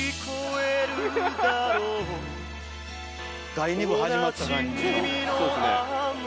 第２部始まった感じの。